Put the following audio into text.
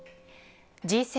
Ｇ７